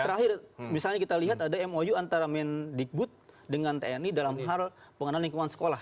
terakhir misalnya kita lihat ada mou antara mendikbud dengan tni dalam hal pengenalan lingkungan sekolah